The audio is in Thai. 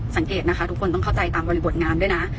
สังเกตนะคะทุกคนต้องเข้าใจตามบริบทงานด้วยนะ